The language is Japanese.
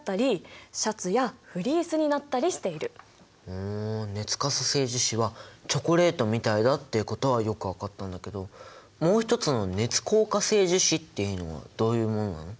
ふん熱可塑性樹脂はチョコレートみたいだってことはよく分かったんだけどもう一つの熱硬化性樹脂っていうのはどういうものなの？